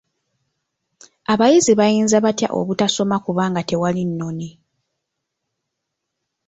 Abayizi bayinza batya obutasoma kubanga tewali nnoni?